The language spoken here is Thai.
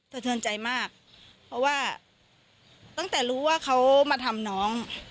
เทินใจมากเพราะว่าตั้งแต่รู้ว่าเขามาทำน้อง